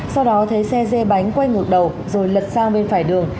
sau đó thấy xe dê bánh quay ngược đầu rồi lật sang bên phải đường